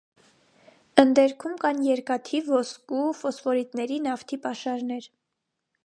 Ընդերքում կան երկաթի, ոսկու, ֆոսֆորիտների, նավթի պաշարներ։